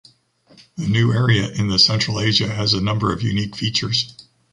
The new area in the Central Asia has a number of unique features.